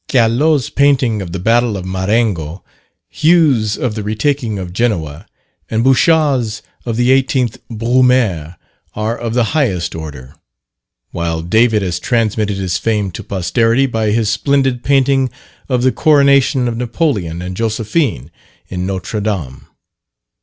Callot's painting of the battle of Marengo, Hue's of the retaking of Genoa, and Bouchat's of the 18th Brumaire, are of the highest order; while David has transmitted his fame to posterity, by his splendid painting of the Coronation of Napoleon and Josephine in Notre Dame.